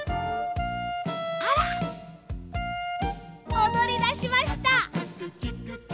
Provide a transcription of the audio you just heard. おどりだしました。